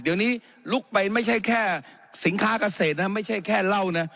เดี๋ยวนี้ลุกไปไม่ใช่แค่สินค้าเกษตรนะไม่ใช่แค่เหล้านะ